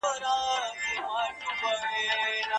دا رواج له ډېر پخوا راهیسې پاتې دی.